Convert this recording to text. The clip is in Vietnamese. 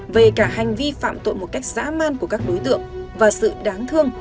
về cả hành vi phạm tội một cách dã man của các đối tượng và sự đáng thương